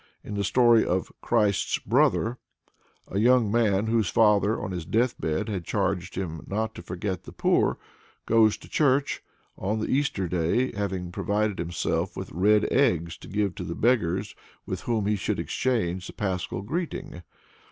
In the story of "Christ's Brother" a young man whose father, on his deathbed, had charged him not to forget the poor goes to church on Easter Day, having provided himself with red eggs to give to the beggars with whom he should exchange the Pascal greeting.